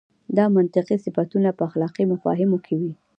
دا منطقي صفتونه په اخلاقي مفاهیمو کې وي.